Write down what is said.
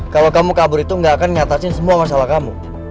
kalau kamu kabur itu gak akan ngatasin semua masalah kamu